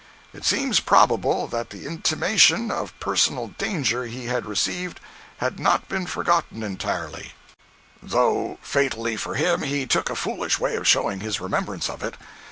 It seems probable that the intimation of personal danger he had received had not been forgotten entirely; though fatally for him, he took a foolish way of showing his remembrance of it.